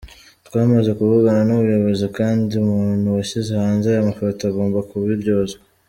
Twamaze kuvugana n’ubuyobozi kandi umuntu washyize hanze aya mafoto agomba kubiryozwa.